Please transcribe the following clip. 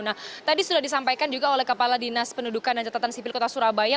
nah tadi sudah disampaikan juga oleh kepala dinas pendudukan dan catatan sipil kota surabaya